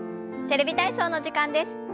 「テレビ体操」の時間です。